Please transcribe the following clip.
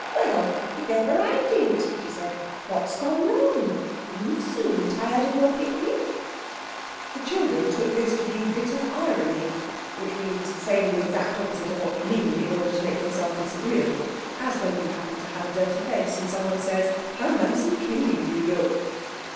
"Well, if ever I did!" she said. "What's gone wrong? You've soon tired of your picnic." The children took this to be bitter irony, which means saying the exact opposite of what you mean in order to make yourself disagreeable; as when you happen to have a dirty face, and someone says, "How nice and clean you look!"